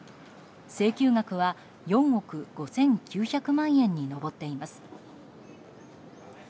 請求額は、４億５９００万円に上っています。